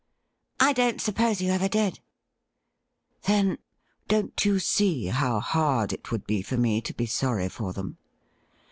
' I don't suppose you ever did.' ' Then, don't you see how hard it would be for me to be sorry for them